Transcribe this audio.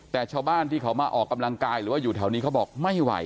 แต่ชาวบ้านที่เขามาออกกำลังกายหรือว่าอยู่แถวนี้เขาบอกไม่ไหว